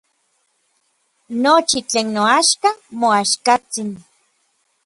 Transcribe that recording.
Nochi tlen noaxka moaxkatsin.